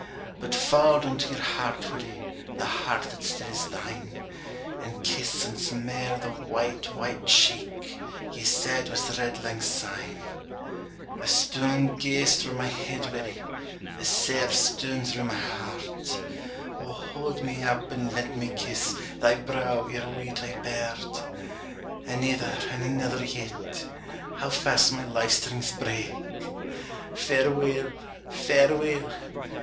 But fauld unto your heart, Willie, The heart that still is thine, And kiss ance mair the white, white cheek Ye said was red langsyne. A stoun' gaes through my heid, Willie, A sair stoun' through my heart; O, haud me up and let me kiss Thy brow ere we twa pairt. Anither, and anither yet! How fast my life strings break! Fareweel! fareweel!